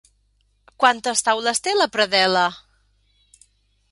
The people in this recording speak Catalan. Quantes taules té la predel·la?